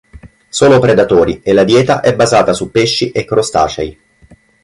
Sono predatori e la dieta è basata su pesci e crostacei.